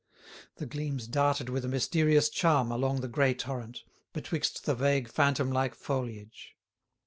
The gleams darted with a mysterious charm along the gray torrent, betwixt the vague phantom like foliage.